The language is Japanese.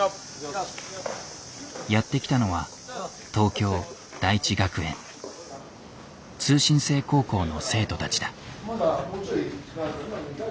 やって来たのは通信制高校の生徒たちだ。